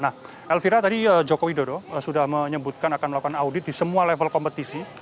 nah elvira tadi joko widodo sudah menyebutkan akan melakukan audit di semua level kompetisi